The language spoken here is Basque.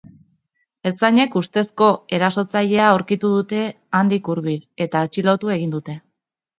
Ertzainek ustezko erasotzailea aurkitu dute handik hurbil, eta atxilotu egin dute.